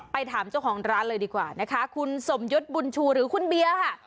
ถามเจ้าของร้านเลยดีกว่านะคะคุณสมยศบุญชูหรือคุณเบียร์ค่ะ